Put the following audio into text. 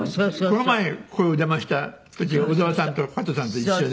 この前ここへ出ました時小沢さんと加藤さんと一緒で。